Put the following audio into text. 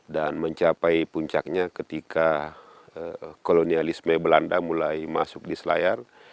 dan mencapai puncaknya ketika kolonialisme belanda mulai masuk di selayar